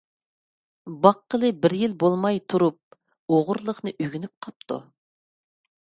باققىلى بىر يىل بولماي تۇرۇپ، ئوغرىلىقنى ئۆگىنىپ قاپتۇ.